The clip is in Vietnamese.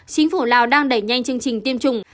chính phủ lào đang đẩy nhanh chương trình tiêm chủng